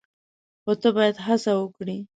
خو ته باید هڅه وکړې !